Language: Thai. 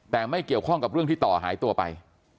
แต่ไม่เกี่ยวข้องกับเรื่องที่ต่อหายตัวไป